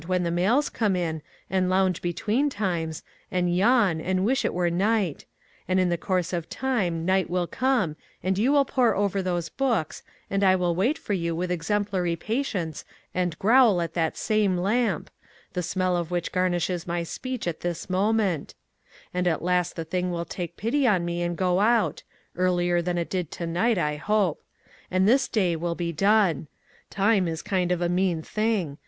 II when the mails come in, and lounge be tween times, and yawn and wish it were night ; and in the course of time night will come and you will pore over those books, and I will wait for you with exemplary patience and growl at that same lamp, the smell of which garnishes my speech at this moment; and at last the thing will take pity on me and go out — earlier than it did Jto night, I hope — and this day will be done. Time is kind of a mean thing.